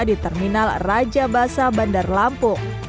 di terminal raja basa bandar lampung